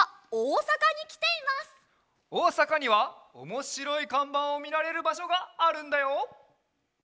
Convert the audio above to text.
おおさかにはおもしろいかんばんをみられるばしょがあるんだよ。